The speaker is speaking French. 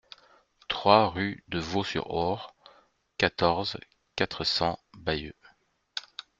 trois rue de Vaux-sur-Aure, quatorze, quatre cents, Bayeux